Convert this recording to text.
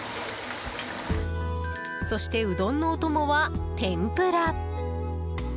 そして、うどんのお供は天ぷら。